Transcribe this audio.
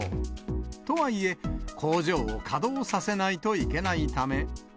とはいえ、工場を稼働させないといけないため。